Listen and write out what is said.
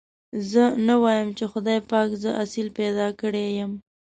زه نه وايم چې خدای پاک زه اصيل پيدا کړي يم.